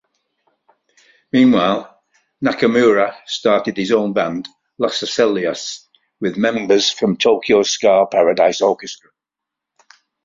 Meanwhile, Nakamura started his own band "Losalios" with members from Tokyo Ska Paradise Orchestra.